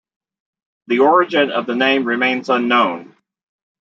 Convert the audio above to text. The origin of the name remains unknown.